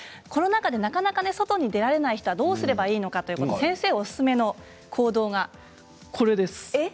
コロナ禍でなかなか外に出られない人はどうすればいいのかということで先生おすすめの行動がこれです。